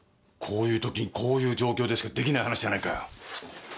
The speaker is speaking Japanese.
こういうときにこういう状況でしかできない話じゃないか。